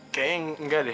kayaknya enggak deh